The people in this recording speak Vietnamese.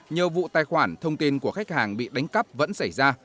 nhiều vụ tài khoản thông tin của khách hàng bị đánh cắp vẫn xảy ra